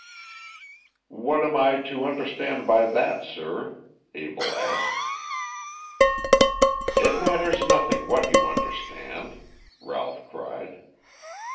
"What am I to understand by that, sir?" Abell asked. "It matters nothing what you understand," Ralph cried.